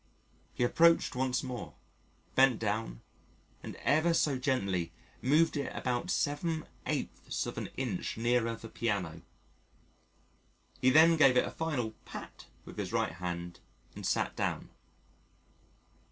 He approached once more, bent down and ever so gently moved it about 7/8ths of an inch nearer the piano. He then gave it a final pat with his right hand and sat down.